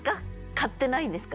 買ってないんですか？